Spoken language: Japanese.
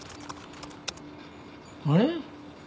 あれ？